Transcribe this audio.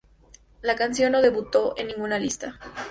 La canción no debutó, en ninguna lista.